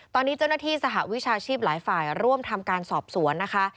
ตอนนี้เจ้าหน้าที่สหวิชาชีพหลายฝ่ายร่วมทำการสอบสวนนะคะ